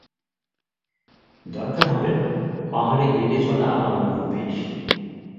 দরকার হবে না, পাহাড়ে হেঁটে চলা আমার অভ্যেস।